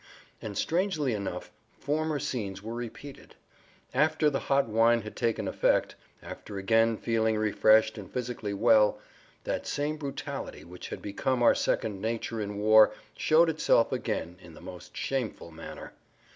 And strangely enough, former scenes were repeated. After the hot wine had taken effect, after again feeling refreshed and physically well, that same brutality which had become our second nature in war showed itself again in the most shameful manner.